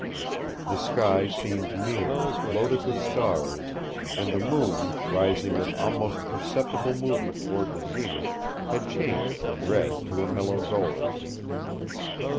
The sky seemed near, loaded with stars, and the moon, rising with almost perceptible movement toward the zenith, had changed from red to a mellow gold.